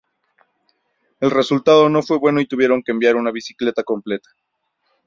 El resultado no fue bueno y tuvieron que enviar una bicicleta completa.